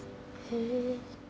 へえ！